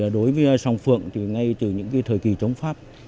đối với song phượng thì ngay từ những thời kỳ chống pháp